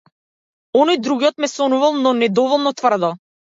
Оној другиот ме сонувал, но недоволно тврдо.